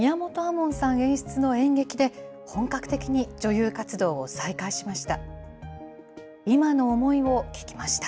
門さん演出の演劇で、本格的に女優活動を再開しました。